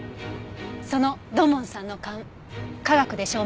その土門さんの勘科学で証明してみる？